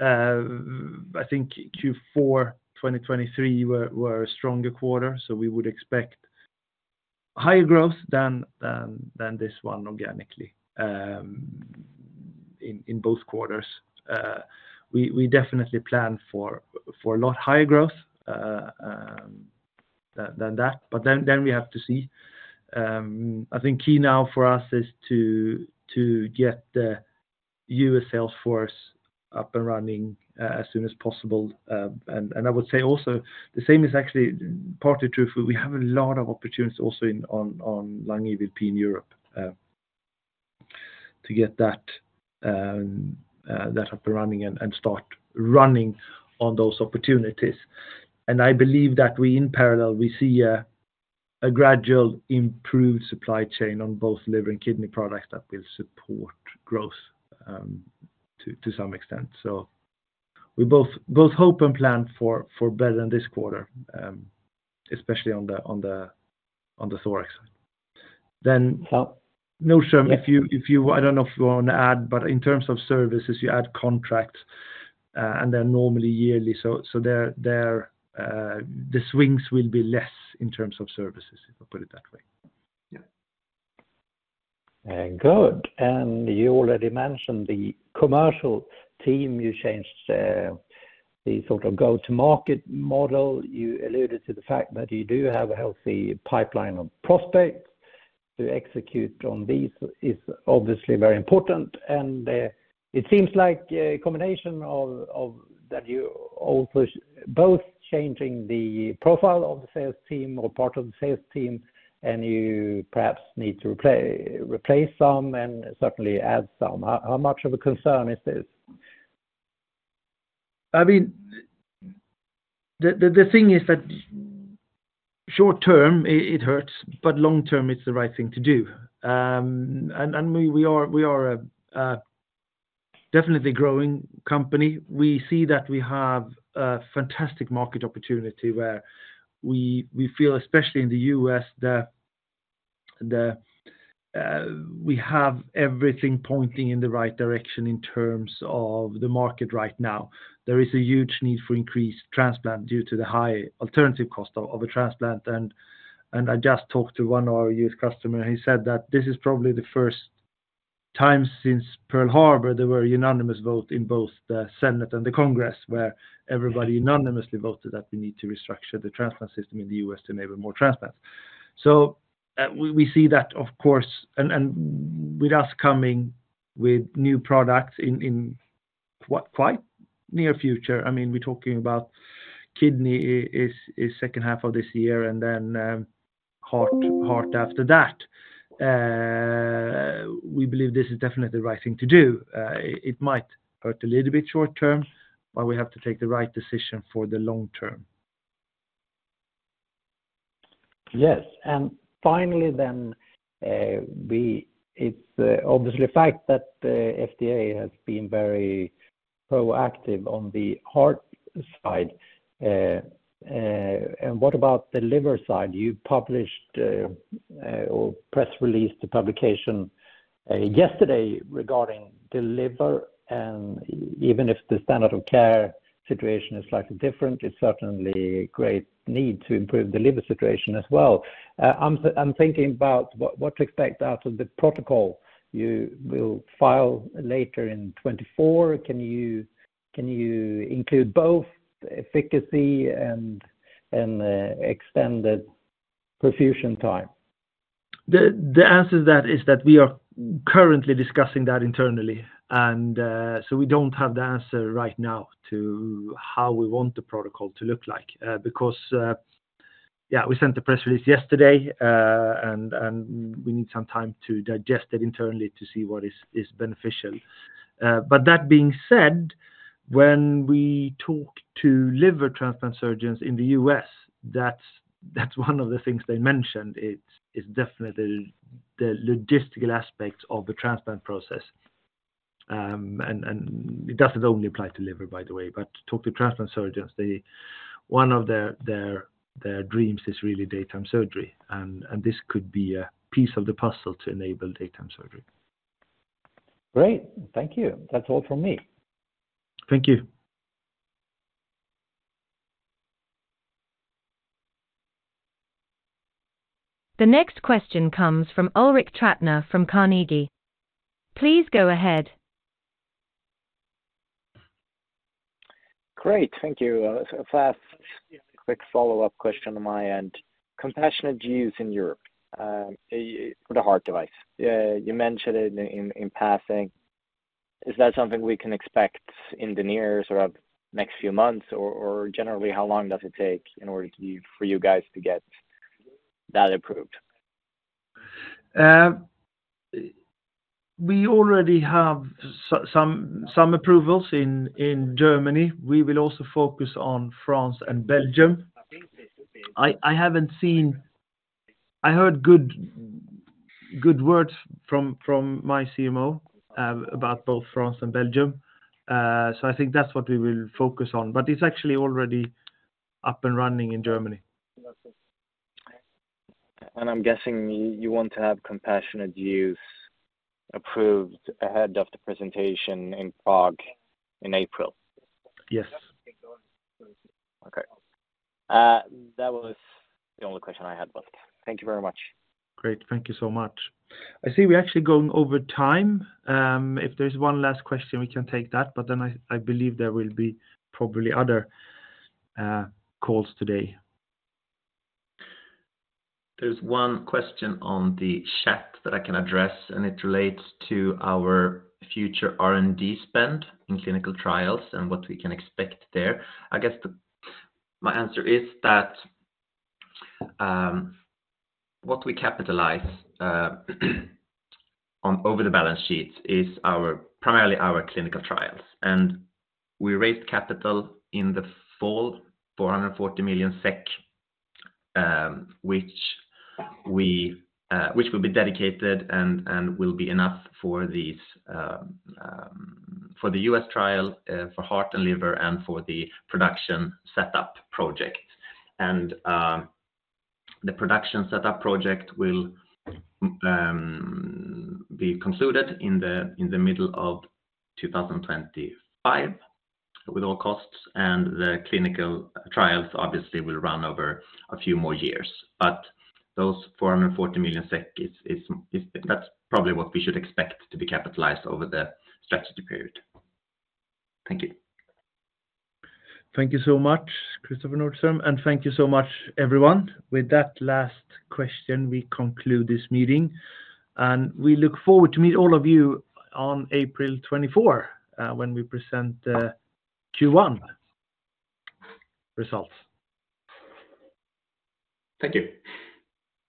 I think Q4, 2023 were a stronger quarter, so we would expect higher growth than this one organically in both quarters. We definitely plan for a lot higher growth than that, but then we have to see. I think key now for us is to get the U.S. sales force up and running as soon as possible. And I would say also the same is actually partly true, for we have a lot of opportunities also in, on, on lung EVLP in Europe, to get that up and running and start running on those opportunities. And I believe that we in parallel, we see a gradual improved supply chain on both liver and kidney products that will support growth, to some extent. So we both hope and plan for better than this quarter, especially on the thorax. Then- Well- No, sure. If you, I don't know if you want to add, but in terms of services, you add contracts, and they're normally yearly, so the swings will be less in terms of services, if I put it that way. Yeah. Good. And you already mentioned the commercial team. You changed the sort of go-to-market model. You alluded to the fact that you do have a healthy pipeline of prospects to execute on these is obviously very important, and it seems like a combination of that you also both changing the profile of the sales team or part of the sales team, and you perhaps need to replace some and certainly add some. How much of a concern is this? I mean, the thing is that short term, it hurts, but long term, it's the right thing to do. And we are a definitely growing company. We see that we have a fantastic market opportunity where we feel, especially in the U.S., that we have everything pointing in the right direction in terms of the market right now. There is a huge need for increased transplant due to the high alternative cost of a transplant. And I just talked to one of our U.S. customer, and he said that this is probably the first time since Pearl Harbor, there were a unanimous vote in both the Senate and the Congress, where everybody unanimously voted that we need to restructure the transplant system in the U.S. to enable more transplants. We see that, of course, and with us coming with new products in what quite near future, I mean, we're talking about kidney is second half of this year, and then heart after that. We believe this is definitely the right thing to do. It might hurt a little bit short term, but we have to take the right decision for the long term. Yes. And finally, then, it's obviously a fact that the FDA has been very proactive on the heart side. And what about the liver side? You published or press released the publication yesterday regarding the liver, and even if the standard of care situation is slightly different, it's certainly a great need to improve the liver situation as well. I'm thinking about what to expect out of the protocol you will file later in 2024. Can you include both the efficacy and extended perfusion time? The answer to that is that we are currently discussing that internally, and so we don't have the answer right now to how we want the protocol to look like. Because yeah, we sent the press release yesterday, and we need some time to digest it internally to see what is beneficial. But that being said, when we talk to liver transplant surgeons in the U.S., that's one of the things they mentioned. It's definitely the logistical aspects of the transplant process. And it doesn't only apply to liver, by the way, but to talk to transplant surgeons, they one of their dreams is really daytime surgery, and this could be a piece of the puzzle to enable daytime surgery. Great. Thank you. That's all from me. Thank you. The next question comes from Ulrik Trattner from Carnegie. Please go ahead. Great. Thank you. So a fast, quick follow-up question on my end. Compassionate use in Europe for the heart device. You mentioned it in passing. Is that something we can expect in the near sort of next few months, or generally, how long does it take in order to for you guys to get that approved? We already have some approvals in Germany. We will also focus on France and Belgium. I haven't seen... I heard good words from my CMO about both France and Belgium. So I think that's what we will focus on, but it's actually already up and running in Germany. I'm guessing you want to have compassionate use approved ahead of the presentation in Prague in April? Yes. Okay. That was the only question I had, but thank you very much. Great. Thank you so much. I see we're actually going over time. If there's one last question, we can take that, but then I believe there will be probably other calls today. There's one question on the chat that I can address, and it relates to our future R&D spend in clinical trials and what we can expect there. I guess my answer is that, what we capitalize on over the balance sheet is our, primarily our clinical trials. We raised capital in the fall, 440 million SEK, which will be dedicated and will be enough for these, for the U.S. trial, for heart and liver and for the production setup project. The production setup project will be concluded in the middle of 2025, with all costs, and the clinical trials, obviously, will run over a few more years. But those 440 million SEK is—that's probably what we should expect to be capitalized over the strategy period. Thank you. Thank you so much, Kristoffer Nordström, and thank you so much, everyone. With that last question, we conclude this meeting, and we look forward to meet all of you on April 24, when we present the Q1 results. Thank you.